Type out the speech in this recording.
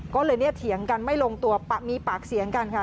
ก็เลยเนี่ยเถียงกันไม่ลงตัวมีปากเสียงกันค่ะ